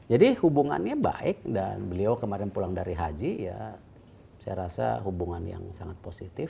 jadi hubungannya baik dan beliau kemarin pulang dari haji ya saya rasa hubungan yang sangat positif